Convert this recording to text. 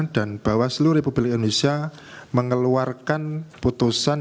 dan bawah seluruh republik indonesia mengeluarkan putusan